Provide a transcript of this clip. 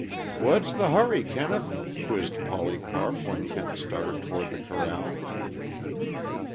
"What's the hurry, Kenneth?" quizzed Polycarp, when Kent started toward the corral.